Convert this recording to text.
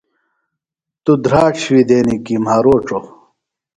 توۡ دھراڇ شوی دینِیۡ کِہ مھاروڇوۡ؟